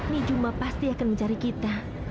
nijumba pasti akan mencari kita